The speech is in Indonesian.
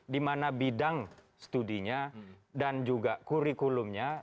dimana bidang studinya dan juga kurikulumnya